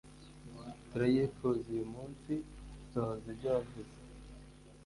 Turayifuz’ uy’ umunsi, Sohoz’ ibyo wavuze.